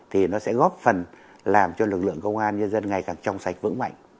thì nó sẽ góp phần làm cho lực lượng công an nhân dân ngày càng trong sạch vững mạnh